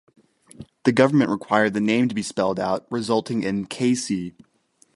The government required the name to be spelled out resulting in "Kaycee".